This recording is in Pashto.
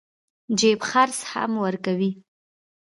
جيب خرڅ هم ورکوي.